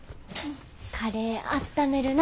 カレーあっためるな。